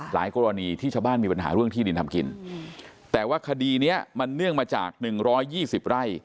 กรณีที่ชาวบ้านมีปัญหาเรื่องที่ดินทำกินแต่ว่าคดีเนี้ยมันเนื่องมาจาก๑๒๐ไร่